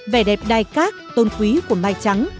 vẻ đẹp đai cát tôn quý của mai trắng